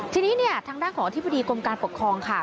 ทีนี้เนี่ยทางด้านของอธิบดีกรมการปกครองค่ะ